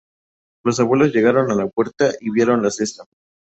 Los abuelos llegaron a la puerta y vieron la cesta.